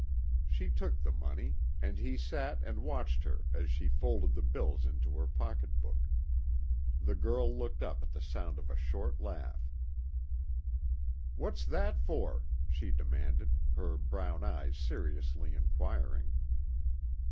She took the money, and he sat and watched her as she folded the bills into her pocketbook. The girl looked up at the sound of a short laugh. "What's that for?" she demanded, her brown eyes seriously inquiring.